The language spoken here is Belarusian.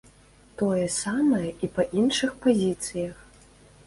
Тое самае і па іншых пазіцыях.